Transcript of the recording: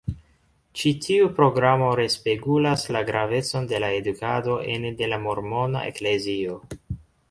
Ĉi tiu programo respegulas la gravecon de la edukado ene de la Mormona Eklezio.